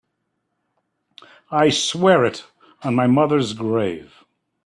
I swear it on my mother's grave.